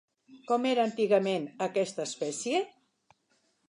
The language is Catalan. Com era antigament aquesta espècie?